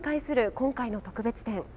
今回の特別展。